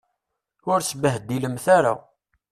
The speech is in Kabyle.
Ur sbehdilemt ara.